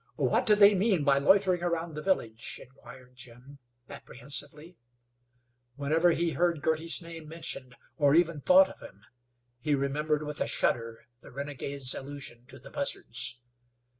"What do they mean by loitering around the village? Inquired Jim, apprehensively. Whenever he heard Girty's name mentioned, or even thought of him, he remembered with a shudder the renegade's allusion to the buzzards.